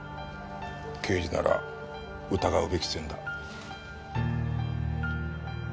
刑事なら疑うべき線だ。